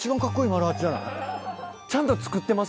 ちゃんと作ってますよ。